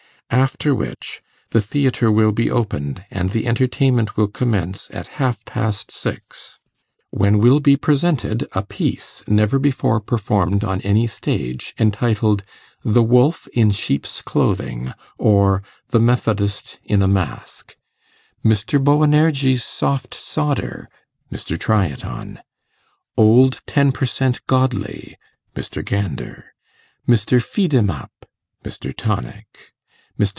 AFTER WHICH The Theatre will be opened, and the entertainment will commence at HALF PAST SIX When will be presented A piece, never before performed on any stage, entitled THE WOLF IN SHEEPS CLOTHING; or THE METHODIST IN A MASK Mr. Boanerges Soft Sawder, .... MR. TRY IT ON. Old Ten per cent Godly, ..... MR. GANDER. Dr. Feedemup, ........ MR. TONIC. Mr.